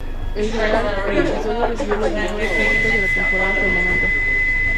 En general el episodio recibió las mejores críticas de la temporada hasta el momento.